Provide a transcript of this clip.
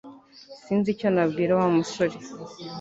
Sinzi icyo nabwira Wa musore